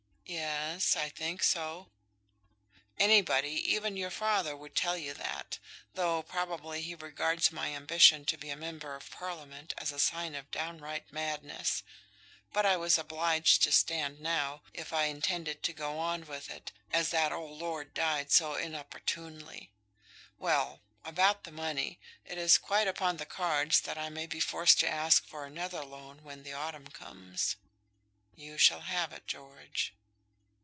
"Yes; I think so? "Anybody, even your father, would tell you that; though, probably, he regards my ambition to be a Member of Parliament as a sign of downright madness. But I was obliged to stand now, if I intended to go on with it, as that old lord died so inopportunely. Well, about the money! It is quite upon the cards that I may be forced to ask for another loan when the autumn comes." "You shall have it, George."